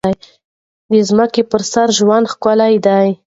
د ځمکې په سر ژوند ډېر ښکلی دی.